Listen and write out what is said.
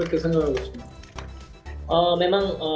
maka mereka harus berbicara dengan mereka